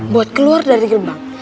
buat keluar dari gerbang